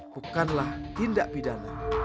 bukanlah tindak pidana